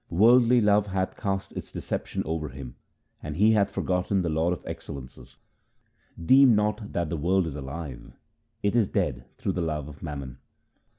Worldly love hath cast its deception over him, and he hath forgotten the Lord of excellences. Deem not that the world is alive ; it is dead through the love of mammon.